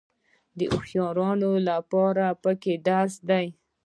د هوښیارانو لپاره پکې درس دی.